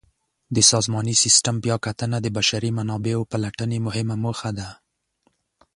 د سازماني سیسټم بیاکتنه د بشري منابعو پلټنې مهمه موخه ده.